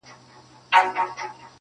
که تاجک دی، که اوزبک دی، یو افغان دی!.